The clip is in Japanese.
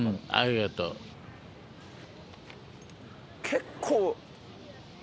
結構。